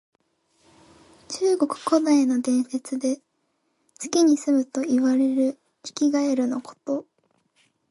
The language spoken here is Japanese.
中国古代の伝説で、月にすむといわれるヒキガエルのこと。